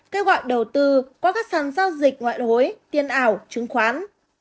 kêu gọi đầu tư qua các sản giao dịch ngoại đối tiên ảo chứng khoán